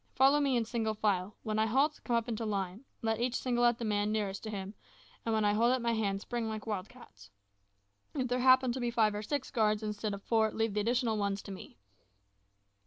Follow me in single file; when I halt, come up into line; let each single out the man nearest to him, and when I hold up my hand spring like wild cats. If there happen to be five or six guards instead of four, leave the additional ones to me."